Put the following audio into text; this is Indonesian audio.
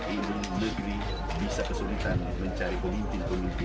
ini negeri bisa kesulitan mencari pemimpin pemimpin masa depan